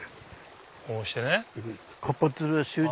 こうしてね？